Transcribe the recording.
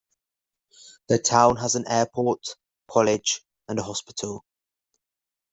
The town has an airport, college, and a hospital.